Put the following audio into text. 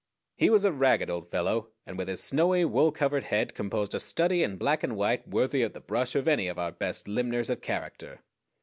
He was a ragged old fellow, and with his snowy, wool covered head composed a study in black and white worthy of the brush of any of our best limners of character.